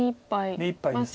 目いっぱいです。